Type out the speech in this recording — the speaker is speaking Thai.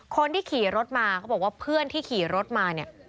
คนที่ขี่รถมาเขาบอกว่าเพื่อนที่ขี่รถมาเนี่ย